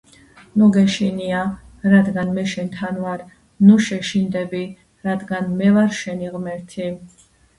ნუ გეშინია, რადგან მე შენთან ვარ; ნუ შეშინდები, რადგან მე ვარ შენი ღმერთი.